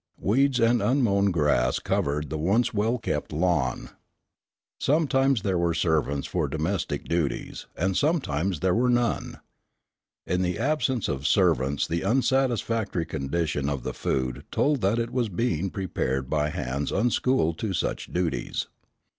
Weeds and unmown grass covered the once well kept lawn. Sometimes there were servants for domestic duties, and sometimes there were none. In the absence of servants the unsatisfactory condition of the food told that it was being prepared by hands unschooled to such duties.